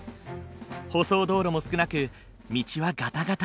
舗装道路も少なく道はガタガタ。